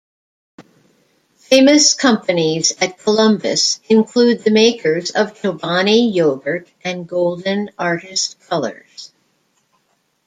Famous companies at Columbus include the makers of Chobani Yogurt and Golden Artist Colors.